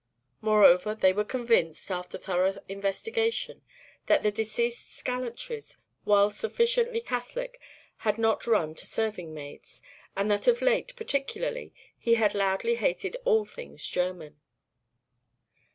Moreover, they were convinced, after thorough investigation, that the deceased's gallantries, while sufficiently catholic, had not run to serving maids, and that of late particularly he had loudly hated all things German.